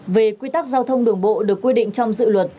về quy tắc giao thông đường bộ được quy định trong dự luật